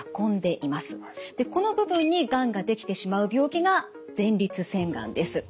この部分にがんが出来てしまう病気が前立腺がんです。